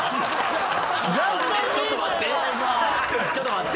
ちょっと待って。